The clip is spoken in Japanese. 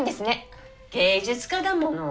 芸術家だもの。